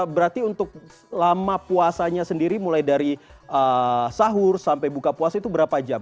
berarti untuk lama puasanya sendiri mulai dari sahur sampai buka puasa itu berapa jam